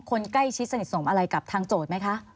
คนใกล้ชิดสนิทสนมอะไรกับทางโจทย์ไหมคะ